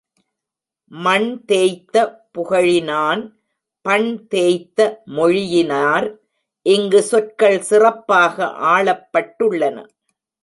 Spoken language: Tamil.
மண் தேய்த்த புகழினான், பண் தேய்த்த மொழியினார் இங்குச் சொற்கள் சிறப்பாக ஆளப் பட்டுள்ளன.